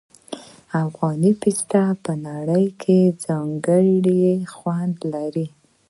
افغاني پسته په نړۍ کې ځانګړی خوند لري.